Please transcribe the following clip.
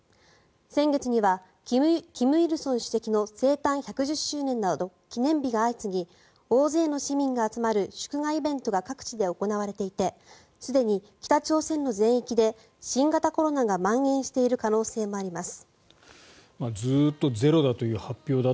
先月には金日成主席の生誕１１０周年など記念日が相次ぎ大勢の市民が集まる祝賀イベントが各地で行われていてすでに北朝鮮の全域で新型コロナがまん延している可能性もあります。